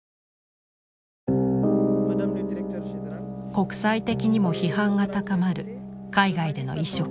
国際的にも批判が高まる海外での移植。